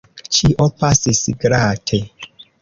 Ĉio pasis glate.